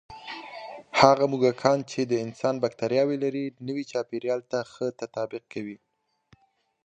هغه موږکان چې د انسان بکتریاوې لري، نوي چاپېریال ته ښه تطابق کوي.